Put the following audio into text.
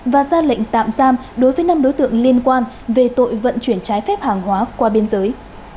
và ra lệnh tạm giam đối với năm đối tượng liên quan về tội vận chuyển trái phép hàng hóa qua biên giới